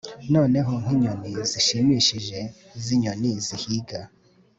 noneho, nkinyoni zishimishije zinyoni zihiga